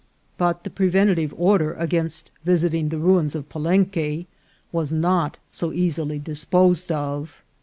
But the preventive order against visiting the ruins of Palenque was not so easi ly disposed of.